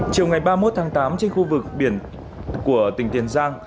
trong ngày ba mươi một tháng tám trên khu vực biển của tp hcm